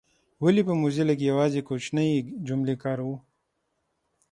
ولي په موزیلا کي یوازي کوچنۍ جملې کاروو؟